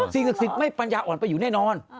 สิ่งศิษย์ไม่ปัญญาอ่อนไปอยู่แน่นอน